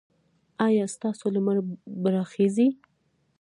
ایا ستاسو لمر به راخېژي؟